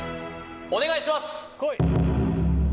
お願いします